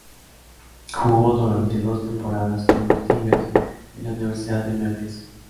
Jugó durante dos temporadas con los "Tigers" de la Universidad de Memphis.